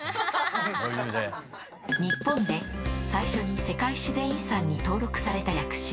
日本で最初に世界自然遺産に登録された屋久島。